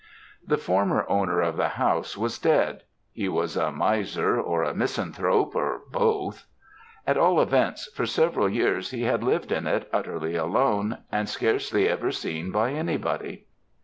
"The former owner of the house was dead. He was a miser or a misanthrope, or both; at all events, for several years he had lived in it utterly alone, and scarcely ever seen by any body.